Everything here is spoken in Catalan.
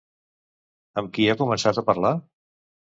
Amb qui ha començat a parlar?